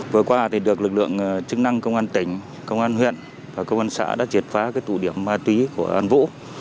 vừa qua được lực lượng chức năng công an tỉnh công an huyện và công an xã đã triệt phá tụ điểm ma túy của an vũ